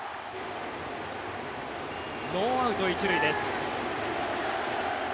ノーアウト一塁です。